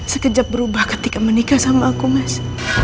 sekejap berubah ketika menikah sama kumas